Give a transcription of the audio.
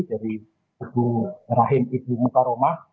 dari ibu rahim ibu muka rumah